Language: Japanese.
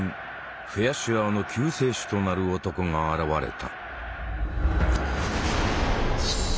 フェアシュアーの救世主となる男が現れた。